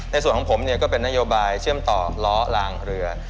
ในส่วนของผมเนี่ยก็เป็นนโยบายเชื่อมต่อล้อลางเรือ